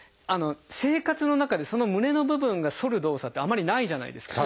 生活の中でその胸の部分が反る動作ってあまりないじゃないですか。